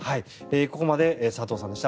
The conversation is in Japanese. ここまで佐藤さんでした。